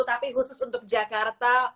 tapi khusus untuk jakarta